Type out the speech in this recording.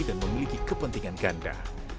dan memiliki kepentingan ganda